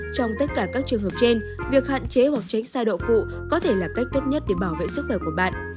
trong tất cả các trường hợp trên việc hạn chế hoặc tránh xa độ phụ có thể là cách tốt nhất để bảo vệ sức khỏe của bạn